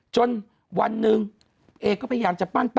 จนวันหนึ่งเอก็พยายามจะปั้น